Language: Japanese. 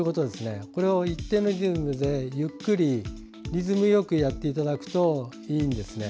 これを一定のリズムでゆっくりリズムよくやっていただくといいんです。